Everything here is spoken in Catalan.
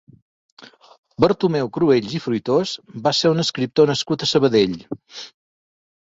Bartomeu Cruells i Fruitós va ser un escriptor nascut a Sabadell.